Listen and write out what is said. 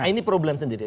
ini problem sendiri